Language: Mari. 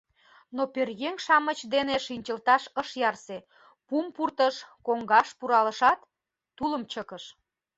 Но пӧръеҥ-шамыч дене шинчылташ ыш ярсе: пум пуртыш, коҥгаш пуралышат, тулым чыкыш.